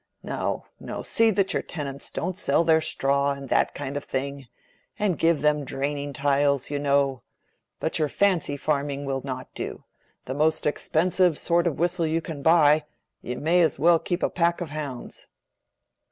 No, no—see that your tenants don't sell their straw, and that kind of thing; and give them draining tiles, you know. But your fancy farming will not do—the most expensive sort of whistle you can buy: you may as well keep a pack of hounds."